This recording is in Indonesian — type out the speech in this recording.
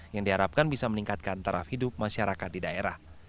yang diharapkan bisa meningkatkan taraf hidup masyarakat di daerah